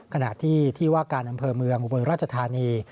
ขณะที่ที่ว่าการอำเภอเมืองอุบลราชธานี